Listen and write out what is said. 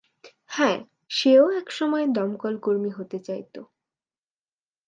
হ্যা, সেও একসময় দমকল কর্মী হতে চাইতো।